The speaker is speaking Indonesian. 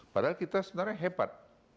padahal kita sebenarnya hebat